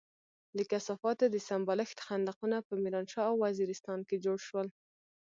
د کثافاتو د سمبالښت خندقونه په ميرانشاه او وزيرستان کې جوړ شول.